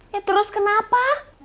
ya terus kenapa